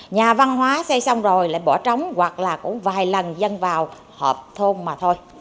nhà văn hóa xây xong rồi lại bỏ trống hoặc là cũng vài lần dân vào họp thôn mà thôi